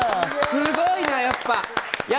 すごいな、やっぱ。